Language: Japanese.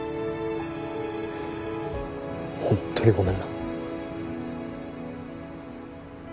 本当にごめんな。